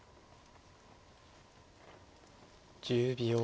１０秒。